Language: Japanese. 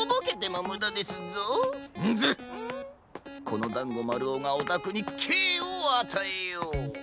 このだんごまるおがおたくにけいをあたえよう。